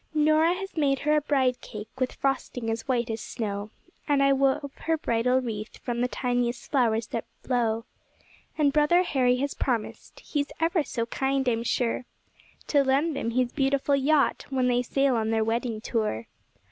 Nora has made her a bride cake with frosting as white as snow, And I wove her bridal wreath from the tiniest flowers that blow; And brother Harry has promised (he's ever so kind, I'm sure) To lend them his beautiful yacht when they sail on their wedding tour.